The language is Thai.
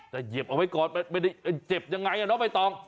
แต่เหยียบเอาไว้ก่อนแต่เจ็บยังไงอ่ะเนอะไบตอง